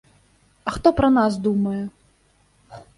А хто пра нас думае?